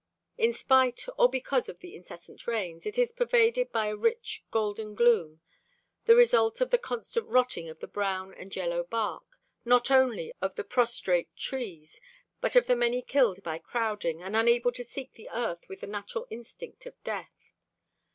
In spite or because of the incessant rains, it is pervaded by a rich golden gloom, the result of the constant rotting of the brown and yellow bark, not only of the prostrate trees, but of the many killed by crowding and unable to seek the earth with the natural instinct of death.